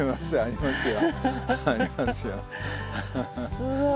すごい。